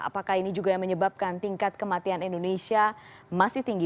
apakah ini juga yang menyebabkan tingkat kematian indonesia masih tinggi